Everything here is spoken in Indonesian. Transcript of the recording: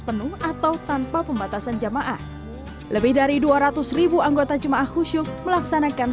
penuh atau tanpa pembatasan jamaah lebih dari dua ratus ribu anggota jemaah khusyuk melaksanakan